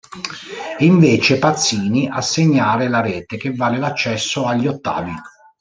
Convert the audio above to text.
È invece Pazzini a segnare la rete che vale l'accesso agli ottavi.